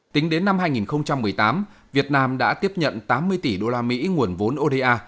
tính đến năm hai nghìn một mươi tám việt nam đã tiếp nhận tám mươi tỷ đô la mỹ nguồn vốn oda